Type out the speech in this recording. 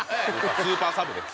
スーパーサブです。